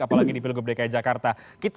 apalagi di pilgub dki jakarta